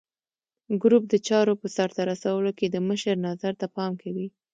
ګروپ د چارو په سرته رسولو کې د مشر نظر ته پام کوي.